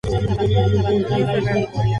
Antonio Serrano.